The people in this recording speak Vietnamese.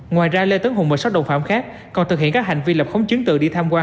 ngoài ra lê tấn hùng và sáu đồng phạm khác còn thực hiện các hành vi lập khống chứng tự đi tham quan